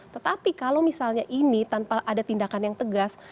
tetapi kalau misalnya ini tanpa ada tindakan yang tegas